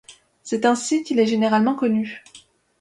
C'est ainsi qu'il est généralement connu.